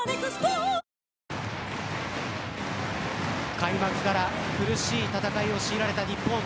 開幕から苦しい戦いを強いられた日本。